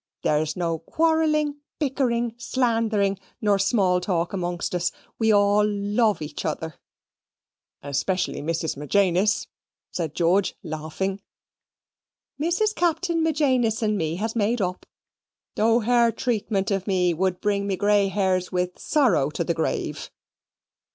There's no quarrelling, bickering, slandthering, nor small talk amongst us. We all love each other." "Especially Mrs. Magenis," said George, laughing. "Mrs. Captain Magenis and me has made up, though her treatment of me would bring me gray hairs with sorrow to the grave."